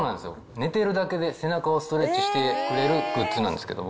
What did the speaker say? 寝てるだけで背中をストレッチしてくれるグッズなんですけども。